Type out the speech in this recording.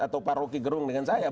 atau pak rocky gerung dengan saya